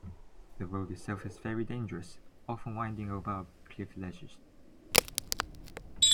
The road itself is very dangerous, often winding above cliff ledges.